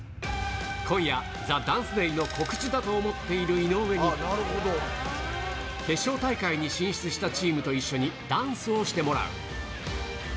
今夜、ＴＨＥＤＡＮＣＥＤＡＹの告知だと思っている井上に、決勝大会に進出したチームと一緒にダンスをしてもらう。